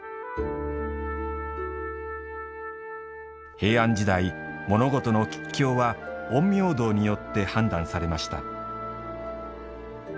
平安時代、物事の吉凶は陰陽道によって判断されました。